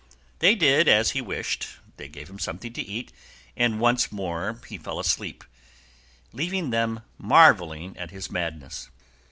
They did as he wished; they gave him something to eat, and once more he fell asleep, leaving them marvelling at his madness.